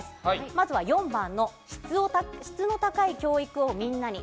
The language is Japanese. まずは４番の質の高い教育をみんなに。